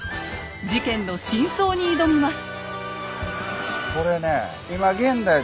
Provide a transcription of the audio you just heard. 事件の真相に挑みます。